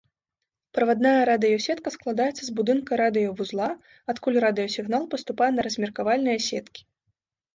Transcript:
Правадная радыёсетка складаецца з будынка радыёвузла, адкуль радыёсігнал паступае на размеркавальныя сеткі.